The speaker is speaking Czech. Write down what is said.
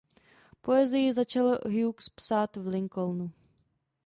Poezii začal Hughes psát v Lincolnu.